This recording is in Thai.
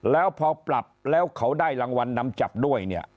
แล้วพอปรับแล้วเขาได้รางวัลนำจับด้วยเนี่ย